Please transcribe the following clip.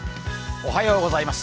おはようございます。